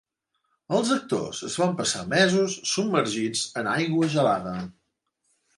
Els actors es van passar mesos submergits en aigua gelada.